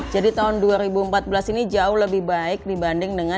jadi tahun dua ribu empat belas ini jauh lebih baik dibanding dengan dua ribu tiga belas